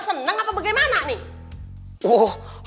seneng apa bagaimana nih